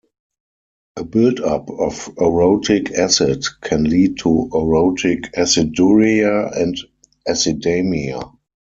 A buildup of orotic acid can lead to orotic aciduria and acidemia.